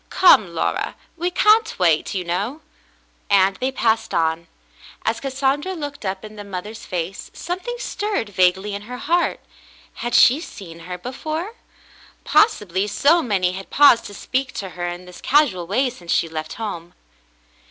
"Come, Laura, we can't wait, you know," and they passed on. As Cassandra looked up in the mother's face, something stirred vaguely in her heart. Had she seen her before ? Possibly, so many had paused to speak to her in this casual way since she left home.